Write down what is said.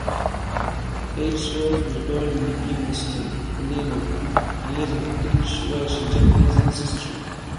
Aylesworth was born in Evanston, Illinois, and is of Dutch, Welsh, and Japanese ancestry.